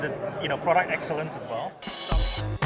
apakah produknya juga sangat bagus